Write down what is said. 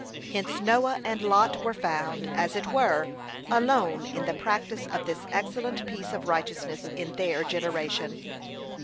Hence Noah and Lot were found, as it were, alone, in the practice of this excellent piece of righteousness in their generation.